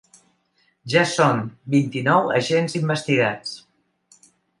Ja són vint-i-nou agents investigats.